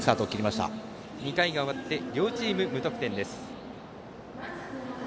２回が終わって両チーム無得点です。